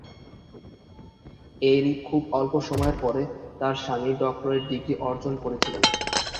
এর খুব অল্প সময়ের পরে, তার স্বামী ডক্টরেট ডিগ্রি অর্জন করেছিলেন।